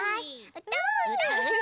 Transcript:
うたうち。